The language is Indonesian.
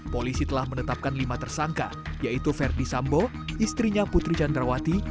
polisi telah menetapkan lima tersangka yaitu verdi sambo istrinya putri candrawati